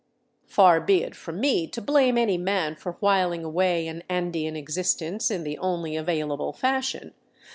Far be it from me to blame any man for whiling away an Andean existence in the only available fashion.